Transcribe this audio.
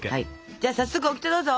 じゃあ早速オキテどうぞ！